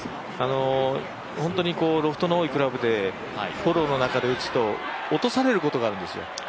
本当にロフトの多いクラブでフォローの中で打つと落とされることがあるんですよ